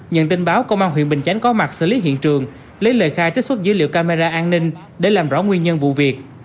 nhận tin báo công an huyện bình chánh có mặt xử lý hiện trường lấy lời khai trích xuất dữ liệu camera an ninh để làm rõ nguyên nhân vụ việc